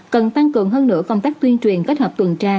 cần tăng cường hơn nữa công tác tuyên truyền kết hợp tuần tra